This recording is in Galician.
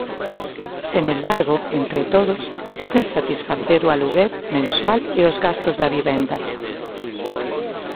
Sen embargo, entre todos, poden satisfacer o aluguer mensual e os gastos da vivenda.